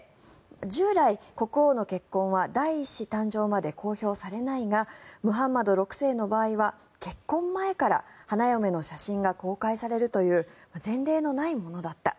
従来、国王の結婚は第１子誕生まで公表されないがムハンマド６世の場合は結婚前から花嫁の写真が公開されるという前例のないものだった。